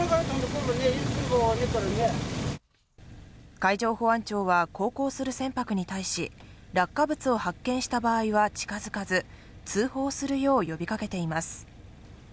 海上保安庁は航行する船舶に対し、落下物を発見した場合は近づかず、通報するよう呼びかけています。